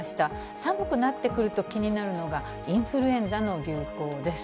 寒くなってくると、気になるのがインフルエンザの流行です。